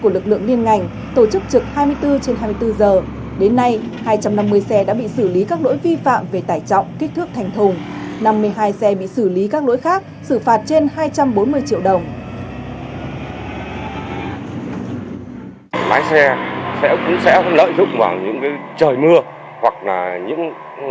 đến nay hai trăm năm mươi xe đã bị xử lý các lỗi vi phạm về tải trọng kích thước thành thùng năm mươi hai xe bị xử lý các lỗi khác xử phạt trên hai trăm bốn mươi triệu đồng